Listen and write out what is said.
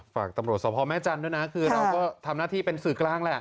ฝากตำรวจสภแม่จันทร์ด้วยนะคือเราก็ทำหน้าที่เป็นสื่อกลางแหละ